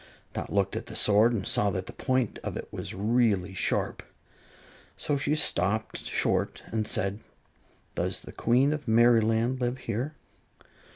Dot looked at the sword and saw that the point of it was really sharp. So she stopped short and said, "Does the Queen of Merryland live here?"